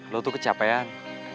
lo tuh kecapean